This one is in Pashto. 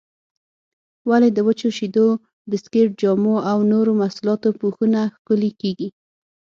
ولې د وچو شیدو، بسکېټ، جامو او نورو محصولاتو پوښونه ښکلي کېږي؟